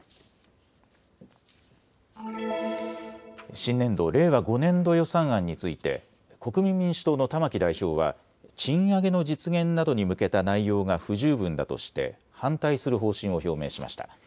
新年度・令和５年度予算案について国民民主党の玉木代表は賃上げの実現などに向けた内容が不十分だとして反対する方針を表明しました。